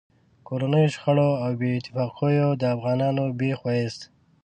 کورنیو شخړو او بې اتفاقیو د افغانانو بېخ و ایست.